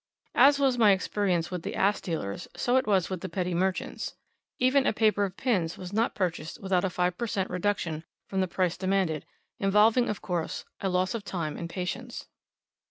As was my experience with the ass dealers so was it with the petty merchants; even a paper of pins was not purchased without a five per cent. reduction from the price demanded, involving, of course, a loss of much time and patience.